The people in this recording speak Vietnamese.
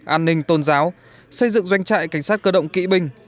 an ninh tôn giáo xây dựng doanh trại cảnh sát cơ động kỵ binh